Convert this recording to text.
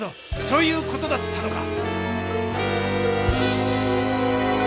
そういう事だったのか！